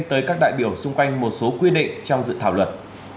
tới các đại biểu xung quanh một số quy định trong dự thảo luật